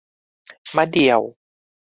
มะเดี่ยว